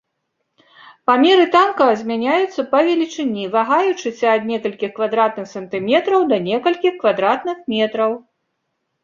Памеры танка змяняюцца па велічыні, вагаючыся ад некалькіх квадратных сантыметраў да некалькіх квадратных метраў.